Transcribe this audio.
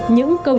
những câu chuyện